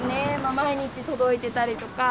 毎日届いてたりとか。